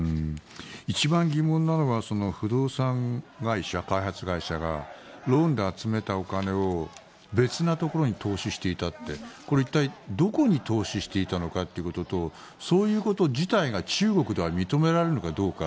一番疑問なのは不動産会社、開発会社がローンで集めたお金を別なところに投資していたってこれ、一体どこに投資していたのかってこととそういうこと自体が中国では認められるのかどうか。